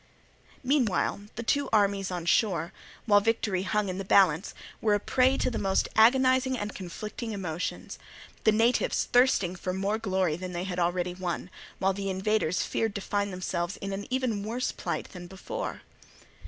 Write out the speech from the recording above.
Meanwhile the two armies on shore, while victory hung in the balance, were a prey to the most agonizing and conflicting emotions; the natives thirsting for more glory than they had already won, while the invaders feared to find themselves in even worse plight than before.